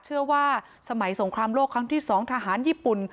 เชื่อว่าสมัยสงครามโลกครั้งที่๒ทหารญี่ปุ่น